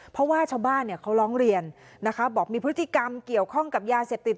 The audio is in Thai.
เพราะว่าชาวบ้านเขาร้องเรียนนะคะบอกมีพฤติกรรมเกี่ยวข้องกับยาเสพติด